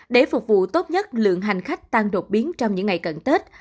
để phục vụ tốt nhất lượng hành khách tăng đột biến trong những ngày cận tết